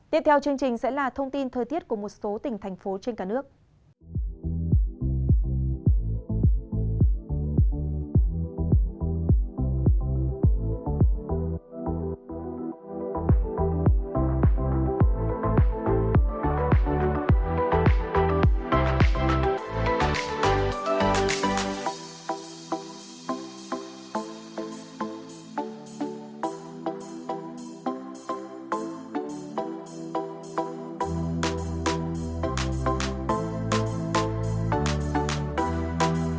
tiếp theo chương trình sẽ là thông tin thời tiết của một số tỉnh thành phố trên cả nước